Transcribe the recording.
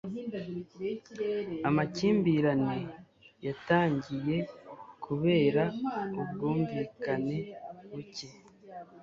Amakimbirane yatangiye kubera ubwumvikane buke